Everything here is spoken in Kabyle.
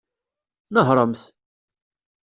Nehṛemt!